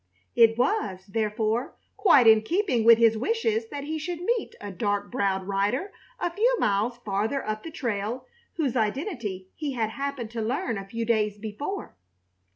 It was, therefore, quite in keeping with his wishes that he should meet a dark browed rider a few miles farther up the trail whose identity he had happened to learn a few days before.